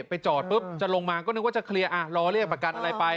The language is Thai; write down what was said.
ไปจอดปุ๊บจะลงมาก็นึกว่าจะเคลียร์รอเรียกประกันอะไรไป